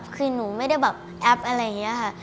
คือหนูไม่ได้แบบแอปอะไรอย่างนี้ค่ะ